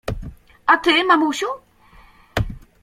A ty, mamusiu?